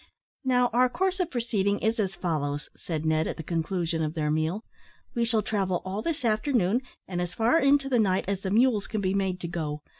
"Now our course of proceeding is as follows," said Ned, at the conclusion of their meal "We shall travel all this afternoon, and as far into the night as the mules can be made to go.